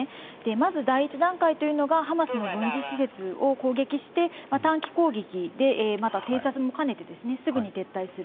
まず第１段階がハマスの軍事施設を攻撃して短期攻撃で、偵察も兼ねてすぐに撤退する。